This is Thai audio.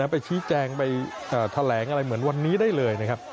ไปชี้แจงไปแถลงอะไรเหมือนวันนี้ได้เลยนะครับ